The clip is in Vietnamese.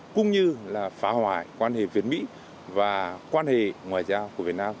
cũng như là phá hoại quan hệ việt mỹ và quan hệ ngoại giao của việt nam